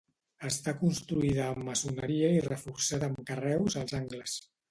Està construïda amb maçoneria i reforçada amb carreus als angles.